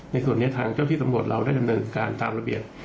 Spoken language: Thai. ในส่วนนี้ทางเจ้าที่สมบทเราได้จำนึงการตามละเบียด